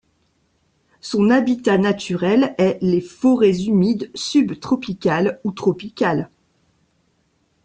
Son habitat naturel est les forêts humides subtropicales ou tropicales.